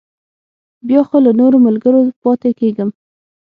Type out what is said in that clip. بیا خو له نورو ملګرو پاتې کېږم.